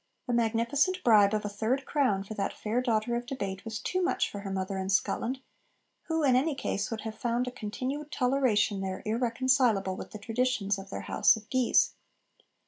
The magnificent bribe of a third crown for that fair 'daughter of debate' was too much for her mother in Scotland, who in any case would have found a continued toleration there irreconcileable with the traditions of their House of Guise.